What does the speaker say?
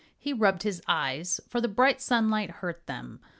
He rubbed his eyes, for the bright sunlight hurt them.